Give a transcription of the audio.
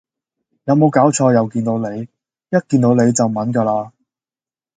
有冇搞錯又見到你一見到你就炆㗎喇